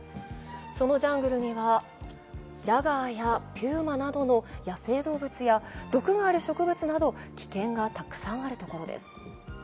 そのジャングルにはジャガーやピューマなどの野生動物や毒がある植物など、危険がたくさんあるところです。